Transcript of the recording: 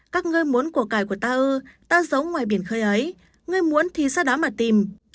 các ngươi muốn của cải của ta ư ta giấu ngoài biển khơi ấy ngươi muốn thì ra đó mà tìm